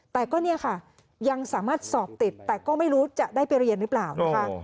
แต่ก็เนี่ยค่ะยังสามารถสอบติดแต่ก็ไม่รู้จะได้ไปเรียนหรือเปล่านะคะ